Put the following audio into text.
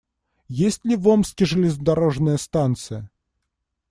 Есть ли в Омске железнодорожная станция?